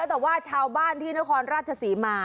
แต่ว่าชาวบ้านที่นครราชศรีมา